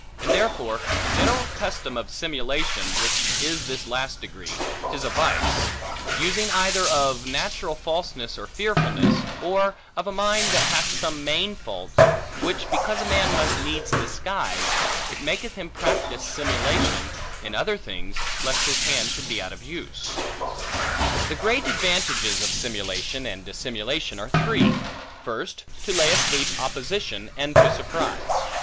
And therefore a general custom of simulation (which is this last degree) is a vice, using either of a natural falseness or fearfulness, or of a mind that hath some main faults, which because a man must needs disguise, it maketh him practise simulation in other things, lest his hand should be out of use. The great advantages of simulation and dissimulation are three. First, to lay asleep opposition, and to surprise.